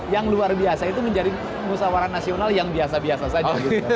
yang luar biasa itu menjadi musawara nasional yang biasa biasa saja